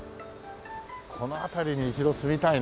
この辺りに一度住みたいな。